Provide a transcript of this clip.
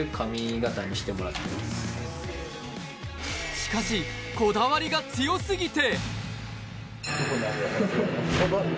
しかし、こだわりが強すぎて。